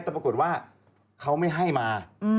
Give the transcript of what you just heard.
แต่ปรากฏว่าเขาไม่ให้มา